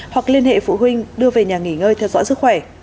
hoặc liên hệ phụ huynh đưa về nhà nghỉ ngơi theo dõi sức khỏe